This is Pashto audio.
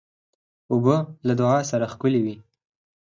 اوبه له دعا سره ښکلي وي.